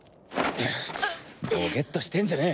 ボケッとしてんじゃねえ。